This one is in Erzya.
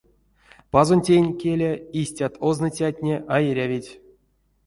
Пазонтень, келя, истят озныцятне а эрявить.